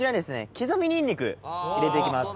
きざみニンニク入れていきます。